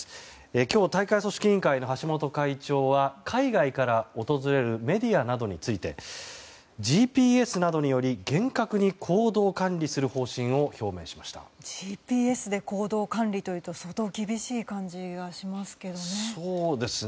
今日、大会組織委員会の橋本会長は海外から訪れるメディアなどについてＧＰＳなどにより厳格に行動管理する方針をＧＰＳで行動管理というと相当厳しい感じがしますけどね。